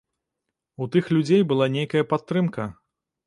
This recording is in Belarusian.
У тых людзей была нейкая падтрымка.